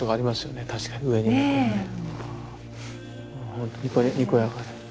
ほんとにこやかで。